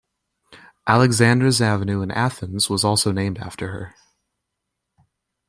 Alexandras Avenue in Athens was also named after her.